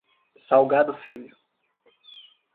Salgado Filho